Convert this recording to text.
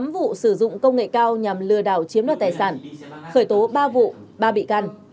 tám vụ sử dụng công nghệ cao nhằm lừa đảo chiếm đoạt tài sản khởi tố ba vụ ba bị can